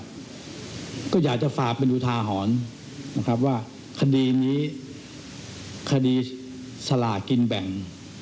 ผมก็ยาจะฝากเป็นอุทาหรณ์คดีนี้คดีสลากินแบ่ง